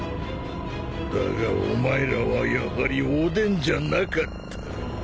だがお前らはやはりおでんじゃなかった。